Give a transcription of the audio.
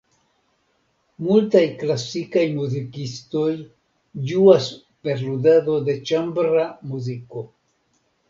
Multaj klasikaj muzikistoj ĝuas per ludado de ĉambra muziko.